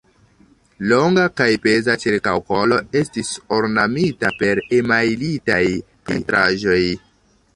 Longa kaj peza ĉirkaŭkolo estis ornamita per emajlitaj pentraĵoj.